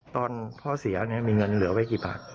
ตอนพ่อเสียมีเงินเหลือไว้กี่บาท